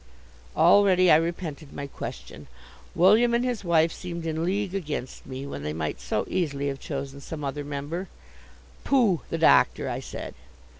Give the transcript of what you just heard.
Already I repented my question. William and his wife seemed in league against me, when they might so easily have chosen some other member. "Pooh the doctor," I said.